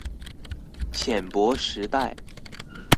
淺薄時代